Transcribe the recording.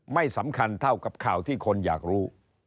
ไม่สำคัญเท่ากับข่าวที่คนอยากรู้